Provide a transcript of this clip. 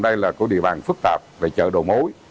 đây là có địa bàn phức tạp về chợ đồ mối